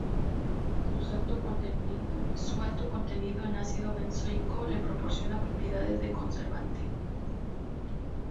Su alto contenido en ácido benzoico le proporciona propiedades de conservante.